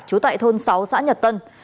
chú tại thôn sáu xã nhật tân